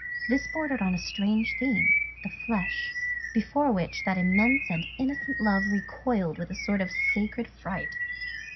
This bordered on a strange theme, the flesh, before which that immense and innocent love recoiled with a sort of sacred fright.